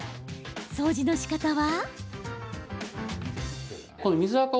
掃除のしかたは。